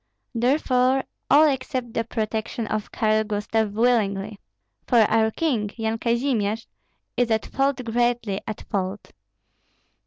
Therefore all accept the protection of Karl Gustav willingly. For our king, Yan Kazimir, is at fault, greatly at fault.